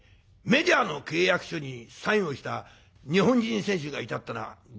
メジャーの契約書にサインをした日本人選手がいたってのはご存じですか？